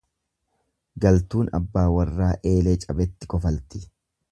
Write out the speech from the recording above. Galtuun abbaa warraa eelee cabetti kofalti.